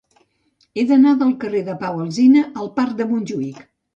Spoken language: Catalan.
He d'anar del carrer de Pau Alsina al parc de Montjuïc.